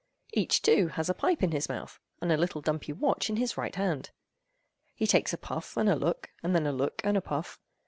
Each, too, has a pipe in his mouth, and a little dumpy watch in his right hand. He takes a puff and a look, and then a look and a puff.